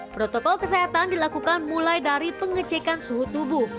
protokol kesehatan dilakukan mulai dari pengecekan suhu tubuh